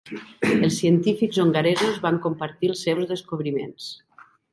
Els científics hongaresos van compartir els seus descobriments.